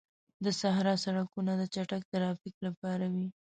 د صحرا سړکونه د چټک ترافیک لپاره وي.